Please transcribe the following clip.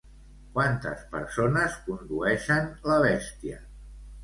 Quantes persones condueixen la bèstia?